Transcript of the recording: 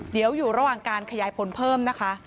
เดี๋ยวอยู่ระหว่างการขยายผลเพิ่มนะคะ